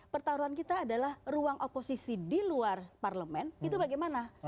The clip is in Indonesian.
pertaruhan kita adalah ruang oposisi di luar parlemen itu bagaimana